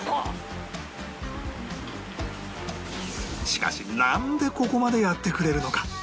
しかしなんでここまでやってくれるのか？